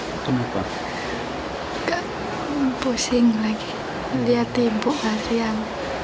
tidak tidak mempusing lagi dia timbul harian